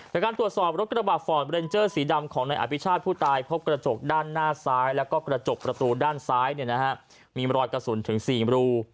การตรวจสอบรถกระบาดฟอร์ดเรนเจอร์สีดำของนายอภิชาติผู้ตายพบกระจกด้านหน้าซ้ายแล้วก็กระจกประตูด้านซ้ายมีรอยกระสุนถึง๔รู